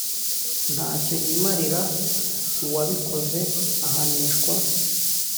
ntacyo yimarira uwabikoze ahanishwa